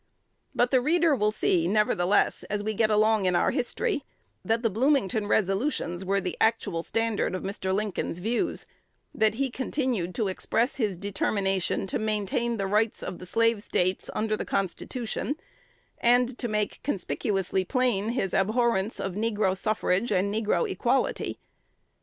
But the reader will see, nevertheless, as we get along in our history, that the Bloomington resolutions were the actual standard of Mr. Lincoln's views; that he continued to express his determination to maintain the rights of the Slave States under the Constitution, and to make conspicuously plain his abhorrence of negro suffrage and negro equality.